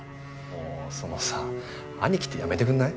もうそのさ「兄貴」ってやめてくれない？